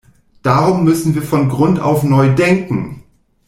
Darum müssen wir von Grund auf neu denken.